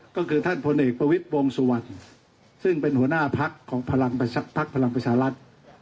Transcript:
ก็คือท่านพลเอกประวิทย์วงสุวรรณซึ่งเป็นหัวหน้าพักของพลังประชารัฐ